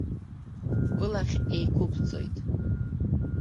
Былахь еиқәыбҵоит.